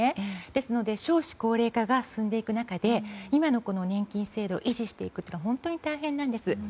ですので、少子高齢化が進んでいく中で今の年金制度を維持していくのって本当に大変なんです。